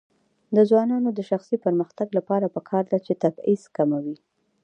د ځوانانو د شخصي پرمختګ لپاره پکار ده چې تبعیض کموي.